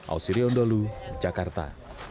ausirion dulu jakarta